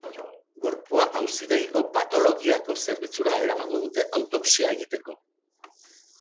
Gorpua auzitegiko patologiako zerbitzura eramango dute autopsia egiteko.